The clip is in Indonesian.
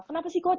kenapa sih coach